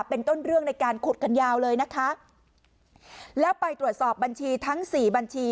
เป็นต้นเรื่องในการขุดกันยาวเลยนะคะแล้วไปตรวจสอบบัญชีทั้งสี่บัญชี